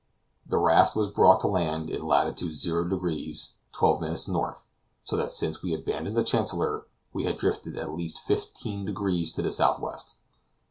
The raft was brought to land in latitude 0 deg. 12' north, so that since we abandoned the Chancellor we had drifted at least fifteen degrees to the southwest.